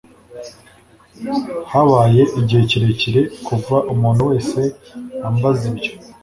Habaye igihe kirekire kuva umuntu wese ambaza ibyo